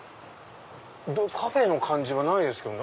カフェの感じはないですけど。